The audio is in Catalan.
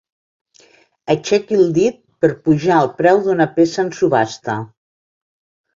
Aixequi el dit per pujar el preu d'una peça en subhasta.